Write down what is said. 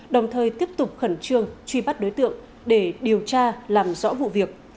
đồng thời tiếp tục khẩn trương truy bắt đối tượng để điều tra làm rõ vụ việc